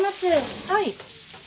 はい。